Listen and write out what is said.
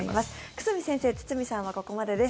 久住先生、堤さんはここまでです。